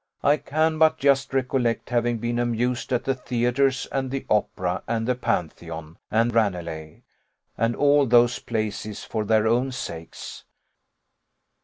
I can but just recollect having been amused at the Theatres, and the Opera, and the Pantheon, and Ranelagh, and all those places, for their own sakes.